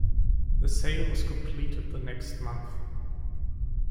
The sale was completed the next month.